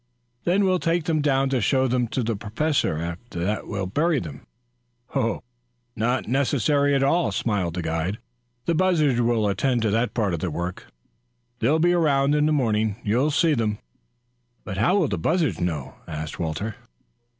"Then we'll take them down to show to the Professor. After that we'll bury them." "Not necessary at all," smiled the guide. "The buzzards will attend to that part of the work. They'll be around in the morning. You'll see them." "But how will the buzzards know?" asked Walter.